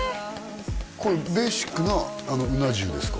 これベーシックなうな重ですか？